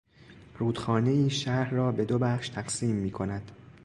رودخانهای شهر را به دو بخش تقسیم میکند.